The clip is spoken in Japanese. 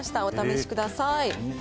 お試しください。